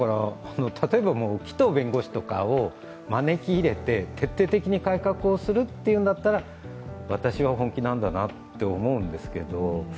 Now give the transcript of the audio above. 例えば紀藤弁護士とかを招き入れて徹底的に改革をするというんだったら私は本気なんだなと思うんですけど